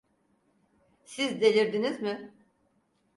Siz delirdiniz mi?